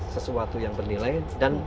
sesuatu yang bernilai dan